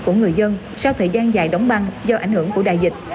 của người dân sau thời gian dài đóng băng do ảnh hưởng của đại dịch